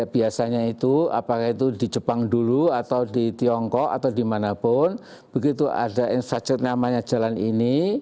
biasanya itu apakah itu di jepang dulu atau di tiongkok atau dimanapun begitu ada infrastruktur namanya jalan ini